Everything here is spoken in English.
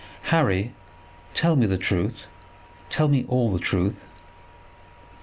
] "Harry, tell me the truth, tell me all the truth."